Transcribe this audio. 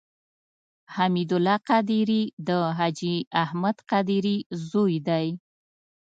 حمید الله قادري د حاجي احمد قادري زوی دی.